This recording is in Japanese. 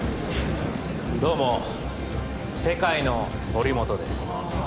どうも世界の堀本です